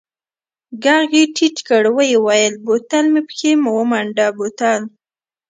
ږغ يې ټيټ کړ ويې ويل بوتل مې پکښې ومنډه بوتل.